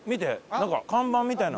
なんか看板みたいな。